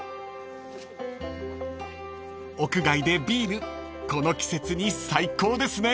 ［屋外でビールこの季節に最高ですね］